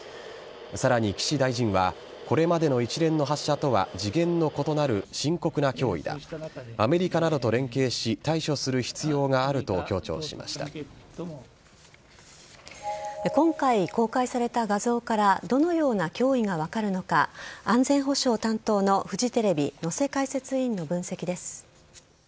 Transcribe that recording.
さらに岸大臣はこれまでの一連の発射とは次元の異なる深刻な脅威だアメリカなどと連携し対処する必要があると今回公開された画像からどのような脅威が分かるのか安全保障担当のフジテレビ能勢解説委員の分析です。